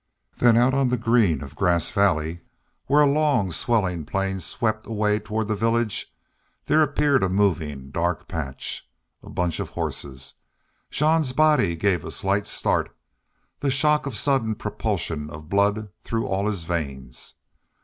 Then out on the green of Grass Valley, where a long, swelling plain swept away toward the village, there appeared a moving dark patch. A bunch of horses! Jean's body gave a slight start the shock of sudden propulsion of blood through all his veins.